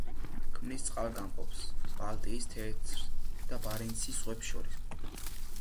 ქმნის წყალგამყოფს ბალტიის, თეთრ და ბარენცის ზღვებს შორის.